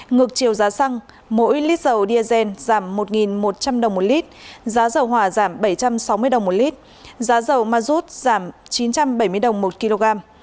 ngược chiều giá xăng mỗi lít dầu diesel giảm một một trăm linh đồng một lít giá dầu hỏa giảm bảy trăm sáu mươi đồng một lít giá dầu ma rút giảm chín trăm bảy mươi đồng một kg